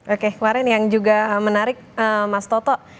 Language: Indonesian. oke kemarin yang juga menarik mas toto